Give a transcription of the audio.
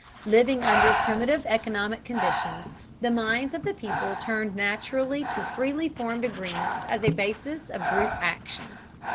Living under primitive economic conditions, the minds of the people turned naturally to freely formed agreements as a basis of group action.